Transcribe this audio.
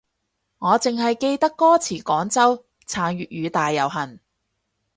我淨係記得歌詞廣州撐粵語大遊行